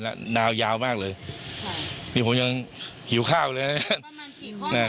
แล้วนาวยาวมากเลยค่ะนี่ผมยังหิวข้าวเลยประมาณ